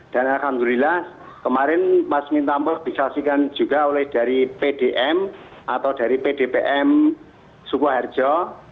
dan alhamdulillah kemarin mas mintambo dikasihkan juga oleh dari pdm atau dari pdpm sukoharjo